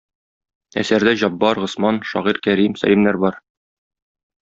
Әсәрдә Җаббар, Госман, шагыйрь Кәрим, Сәлимнәр бар.